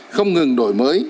không ngừng đổi mới